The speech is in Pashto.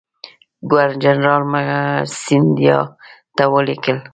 ګورنرجنرال سیندهیا ته ولیکل.